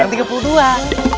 oh dikulang tiga puluh dua